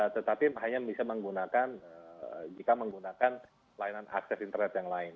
tetapi hanya bisa menggunakan jika menggunakan layanan akses internet yang lain